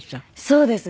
そうですね。